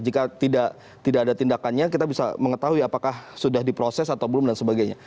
jika tidak ada tindakannya kita bisa mengetahui apakah sudah diproses atau belum dan sebagainya